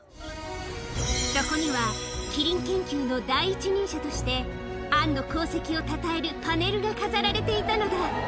そこにはキリン研究の第一人者として、アンの功績をたたえるパネルが飾られていたのだ。